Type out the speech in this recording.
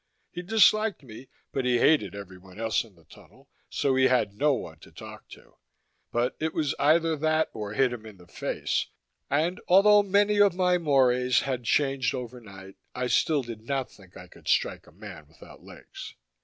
He disliked me, but he hated everyone else in the tunnel, so he had no one to talk to. But it was either that or hit him in the face, and although many of my mores had changed overnight I still did not think I could strike a man without legs.